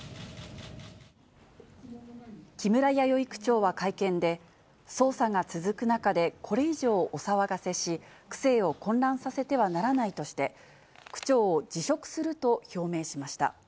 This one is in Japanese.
木村弥生区長は会見で、捜査が続く中でこれ以上、お騒がせし、区政を混乱させてはならないとして、区長を辞職すると表明しました。